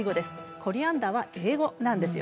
コリアンダーは英語です。